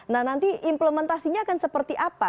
nah nanti implementasinya akan seperti apa